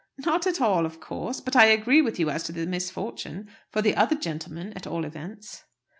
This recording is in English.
"Not at all, 'of course.' But I agree with you as to the misfortune for the other gentlemen, at all events!"